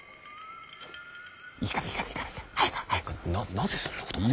なぜそんなことまで。